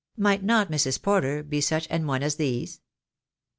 Might not Mrs. Porter be such an one as these?